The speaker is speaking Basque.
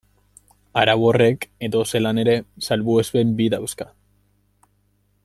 Arau horrek, edozelan ere, salbuespen bi dauzka.